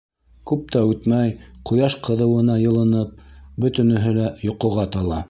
Күп тә үтмәй, ҡояш ҡыҙыуына йылынып, бөтөнөһө лә йоҡоға тала.